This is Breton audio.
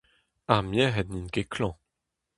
Ar merc'hed n'int ket klañv.